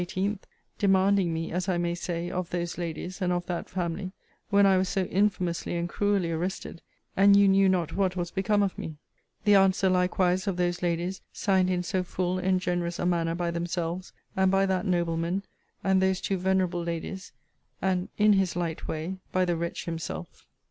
Also your's of the 18th,* demanding me, as I may say, of those ladies, and of that family, when I was so infamously and cruelly arrested, and you knew not what was become of me. * See Letter XI. ibid. The answer likewise of those ladies, signed in so full and generous a manner by themselves,* and by that nobleman, and those two venerable ladies; and, in his light way, by the wretch himself.